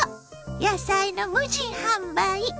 野菜の無人販売。